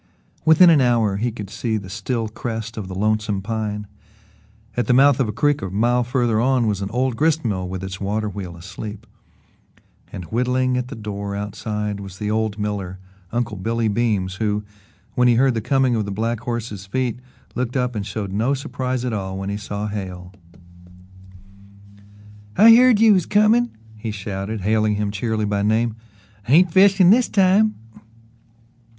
Within an hour he could see the still crest of the Lonesome Pine. At the mouth of a creek a mile farther on was an old gristmill with its water wheel asleep, and whittling at the door outside was the old miller, Uncle Billy Beams, who, when he heard the coming of the black horse's feet, looked up and showed no surprise at all when he saw Hale. "I heard you was comin'," he shouted, hailing him cheerily by name. "Ain't fishin' this time!"